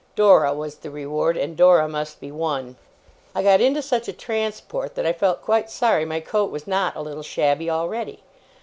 Dora was the reward, and Dora must be won. I got into such a transport, that I felt quite sorry my coat was not a little shabby already.